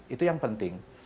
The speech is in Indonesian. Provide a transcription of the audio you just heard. itu yang penting